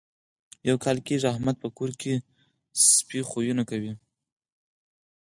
یو کال کېږي احمد په کور کې سپي خویونه کوي.